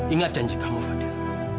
ingat janji kamu fadil